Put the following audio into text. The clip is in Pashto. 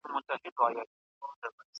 په هوا کي د مرغانو پروازونه .